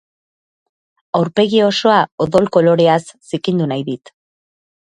Aurpegi osoa odol koloreaz zikindu nahi dit.